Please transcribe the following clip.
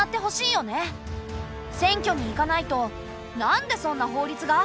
選挙に行かないと「なんでそんな法律が！」